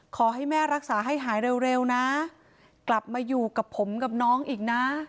ขอให้แม่รักษาให้หายเร็วนะกลับมาอยู่กับผมกับน้องอีกนะ